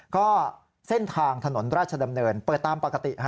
ก็เส้นทางถนนราชดำเนินเปิดตามปกติ